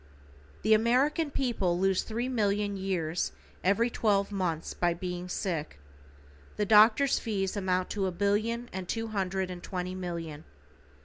The American people lose three million years every twelve months by being sick. The doctor's fees amount to a billion and two hundred and twenty million.